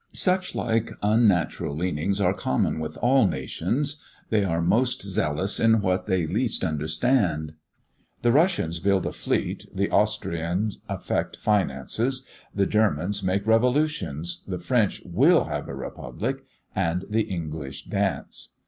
Such like unnatural leanings are common with all nations. They are most zealous in what they least understand. The Russians build a fleet, the Austrian affect finances, the Germans make revolutions, the French will have a Republic, and the English dance."